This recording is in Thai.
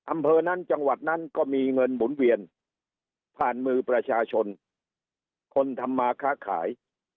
อำเภอนั้นจังหวัดนั้นก็มีเงินหมุนเวียนผ่านมือประชาชนคนทำมาค้าขาย